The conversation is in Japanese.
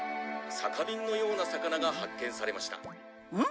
「酒瓶のような魚が発見されました」ん？